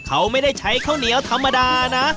เขาไม่ได้ใช้ข้าวเหนียวธรรมดานะ